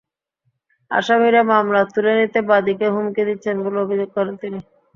আসামিরা মামলা তুলে নিতে বাদীকে হুমকি দিচ্ছেন বলে অভিযোগ করেন তিনি।